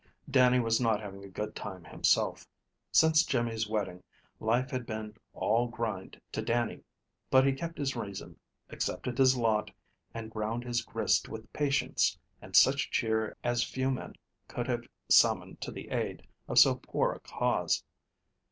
Dannie was not having a good time himself. Since Jimmy's wedding, life had been all grind to Dannie, but he kept his reason, accepted his lot, and ground his grist with patience and such cheer as few men could have summoned to the aid of so poor a cause.